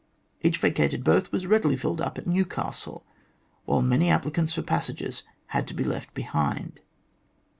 Each vacated berth was readily filled up at Newcastle, while many applicants for passages had to be left behind.